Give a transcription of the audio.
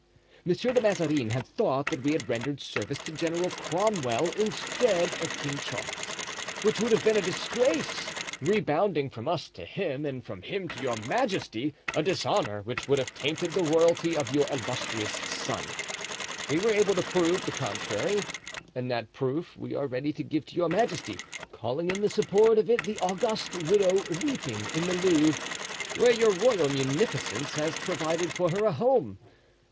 Monsieur de Mazarin had thought that we had rendered service to General Cromwell, instead of King Charles, which would have been a disgrace, rebounding from us to him, and from him to your majesty—a dishonor which would have tainted the royalty of your illustrious son. We were able to prove the contrary, and that proof we are ready to give to your majesty, calling in support of it the august widow weeping in the Louvre, where your royal munificence has provided for her a home.